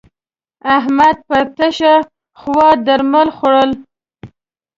احمد پر تشه خوا درمل خوړول.